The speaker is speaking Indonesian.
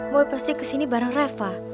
boy pasti kesini bareng reva